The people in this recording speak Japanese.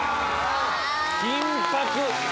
金箔！